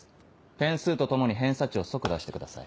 点数と共に偏差値を即出してください。